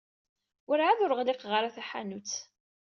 Werɛad ur ɣliqeɣ ara taḥanut.